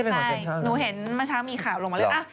หนูเห็นเมื่อช้างมีข่าวลงมาแล้ว